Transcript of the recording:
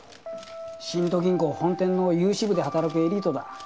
新都銀行本店の融資部で働くエリートだ。